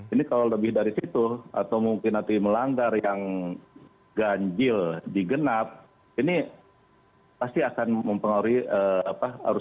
ini kalau lebih dari situ atau mungkin nanti melanggar yang ganjil di genap ini pasti akan mempengaruhi arus lalu lintas nantinya